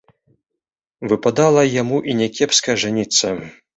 Выпадала яму і не кепска ажаніцца.